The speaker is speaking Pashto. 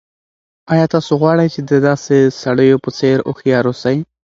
آیا تاسو غواړئ چې د داسې سړیو په څېر هوښیار اوسئ؟